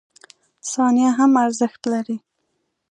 • ثانیه هم ارزښت لري.